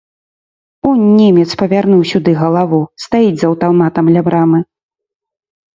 Унь немец павярнуў сюды галаву, стаіць з аўтаматам ля брамы.